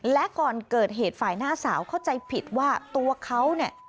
และก่อนเกิดเหตุฝ่ายหน้าสาวเข้าใจผิดว่าตัวเขาเนี่ย